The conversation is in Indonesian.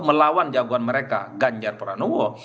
melawan jagoan mereka ganjar pranowo